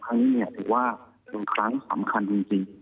ที่นี่ถือว่าครั้งสำคัญจริงนะครับ